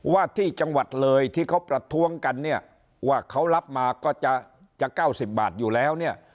ว่าที่จังหวัดเลยที่เขาประท้วงกันเนี่ยว่าเขารับมาก็จะ๙๐บาทอยู่แล้วเนี่ย